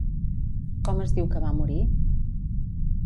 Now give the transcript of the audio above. Com es diu que va morir?